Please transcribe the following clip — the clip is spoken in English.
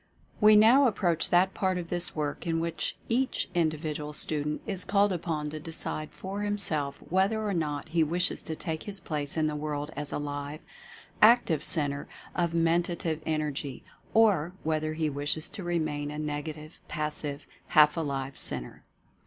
We now approach that part of this work in which each individual student is called upon to decide for himself whether or not he wishes to take his place in the world as a Live, Active Centre of Mentative En ergy, or whether he wishes to remain a Negative, Passive, Half Alive Centre.